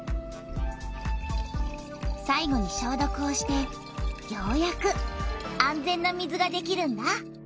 さいごにしょうどくをしてようやく安全な水ができるんだ。